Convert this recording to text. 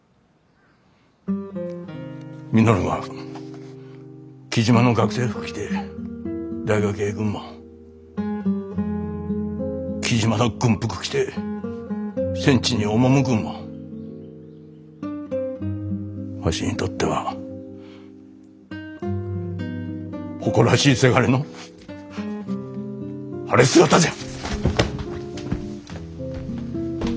稔が雉真の学生服着て大学へ行くんも雉真の軍服着て戦地に赴くんもわしにとっては誇らしいせがれの晴れ姿じゃ。